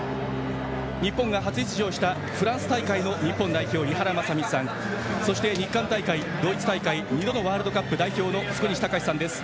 日本が初出場したフランス大会の日本代表、井原正巳さんそして日韓大会、ドイツ大会２度のワールドカップ代表の福西崇史さんです。